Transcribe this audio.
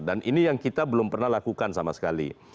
dan ini yang kita belum pernah lakukan sama sekali